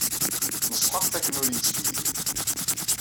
Neṣḥeɣ-t akken ur yettkeyyif.